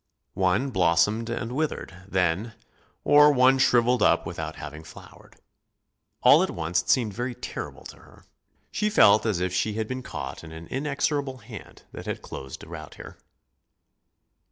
One blossomed and withered, then, or one shriveled up without having flowered. All at once it seemed very terrible to her. She felt as if she had been caught in an inexorable hand that had closed about her.